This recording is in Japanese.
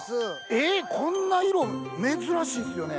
えっこんな色珍しいっすよね？